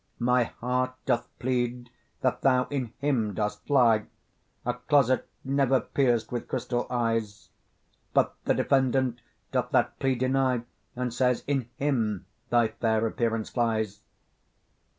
My heart doth plead that thou in him dost lie, A closet never pierced with crystal eyes; But the defendant doth that plea deny, And says in him thy fair appearance lies.